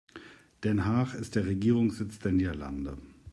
Den Haag ist der Regierungssitz der Niederlande.